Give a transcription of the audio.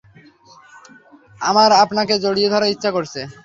আমার আপনাকে জড়িয়ে ধরার ইচ্ছা করছে।